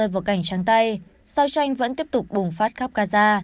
vào cảnh trắng tay giao tranh vẫn tiếp tục bùng phát khắp gaza